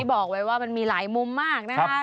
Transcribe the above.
อย่างที่บอกไว้ว่ามันมีหลายมุมมากนะคะ